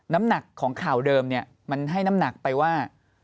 น้ำหนักของข่าวเดิมเนี่ยมันให้น้ำหนักไปว่า